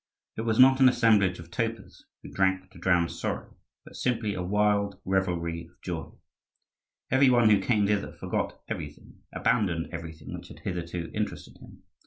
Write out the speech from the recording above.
It was not an assemblage of topers, who drank to drown sorrow, but simply a wild revelry of joy. Every one who came thither forgot everything, abandoned everything which had hitherto interested him.